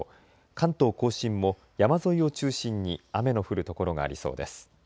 関東甲信も山沿いを中心に雨の降る所がありそうです。